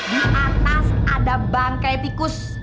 di atas ada bangkai tikus